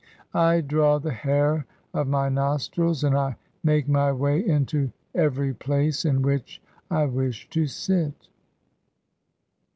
I draw the hair of my nostrils, and I "make my way into every place in which I wish to sit."